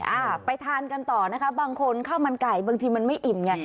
อ่าไปทานกันต่อนะคะบางคนข้าวมันไก่บางทีมันไม่อิ่มไง